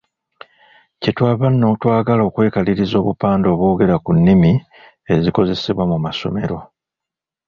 Kye twava nno twagala okwekaliriza obupande obwogera ku nnimi ezikozesebwa mu masomero.